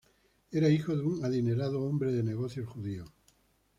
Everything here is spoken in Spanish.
Era hijo de un adinerado hombre de negocios judío.